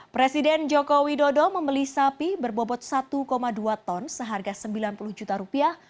presiden joko widodo membeli sapi berbobot satu dua ton seharga sembilan puluh juta rupiah